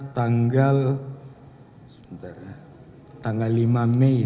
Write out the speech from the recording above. tanggal tanggal lima mei dua ribu dua puluh tiga